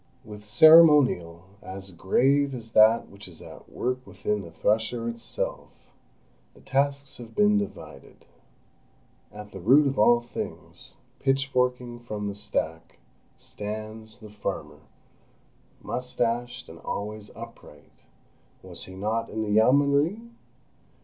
With ceremonial as grave as that which is at work within the thresher itself, the tasks have been divided. At the root of all things, pitchforking from the stack, stands—the farmer, moustached, and always upright was he not in the Yeomanry?